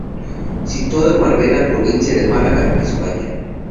Situado en Marbella, provincia de Málaga, España.